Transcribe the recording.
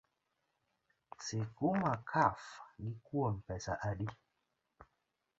Sikuma kaf gi kuon pesa adi?